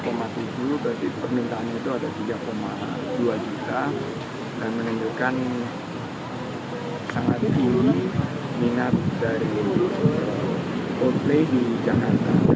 berarti permintaannya itu ada tiga dua juta dan menunjukkan sangat tinggi minat dari coldplay di jakarta